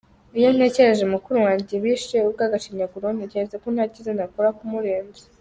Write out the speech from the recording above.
Iyo ntekereje mukuru wanjye bishe urw’agashinyaguro ntekereza ko nta cyiza nakora kumurenza.